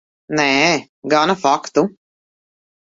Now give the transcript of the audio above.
Nē, gana faktu.